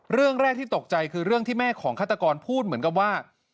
เรื่องแรกที่ตกใจคือเรื่องที่แม่ของฆาตกรพูดเหมือนกับว่า